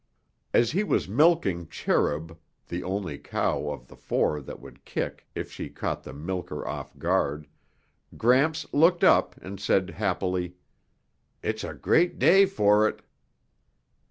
As he was milking Cherub, the only cow of the four that would kick if she caught the milker off guard, Gramps looked up and said happily, "It's a great day for it."